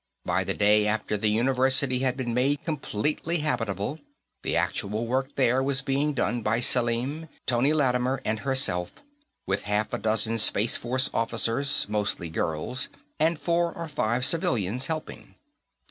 By the day after the University had been made completely habitable, the actual work there was being done by Selim, Tony Lattimer and herself, with half a dozen Space Force officers, mostly girls, and four or five civilians, helping.